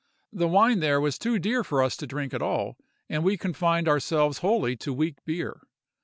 The wine there was too dear for us to drink at all, and we confined ourselves wholly to weak beer.